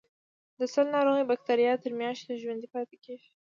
د سل ناروغۍ بکټریا تر میاشتو ژوندي پاتې کیږي.